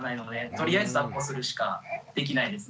とりあえずだっこするしかできないです。